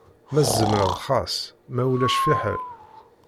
Ma tzemreḍ xas, ma ulac fḥel.